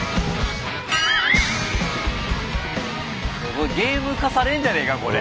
これゲーム化されんじゃねえかこれ。